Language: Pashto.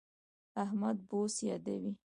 احمد بوس بادوي.